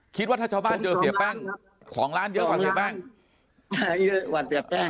คิดว่าถ้าชาวบ้านเจอเสียแป้งของร้านเยอะกว่าเสียแป้งเยอะกว่าเสียแป้ง